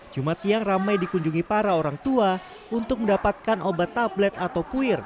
jumat siang ramai dikunjungi para orang tua untuk mendapatkan obat tablet atau puir